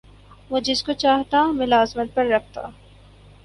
وہ جس کو چاہتا ملازمت پر رکھتا